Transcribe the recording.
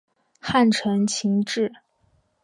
汉承秦制。